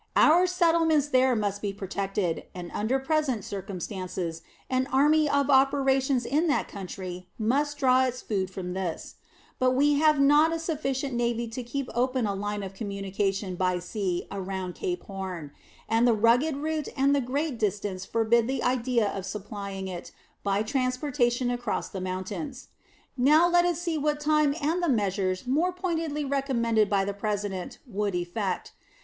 Our settlements there must be protected, and under present circumstances an army of operations in that country must draw its food from this; but we have not a sufficient navy to keep open a line of communication by sea around Cape Horn; and the rugged route and the great distance forbid the idea of supplying it by transportation across the mountains. Now, let us see what time and the measures more pointedly recommended by the President would effect.